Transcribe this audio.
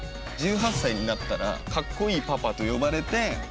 １８歳になったらカッコいいパパと呼ばれて。